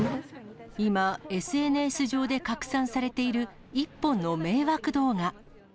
今、ＳＮＳ上で拡散されている一本の迷惑動画。